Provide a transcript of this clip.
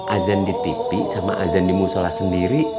azan di tv sama azan di musola sendiri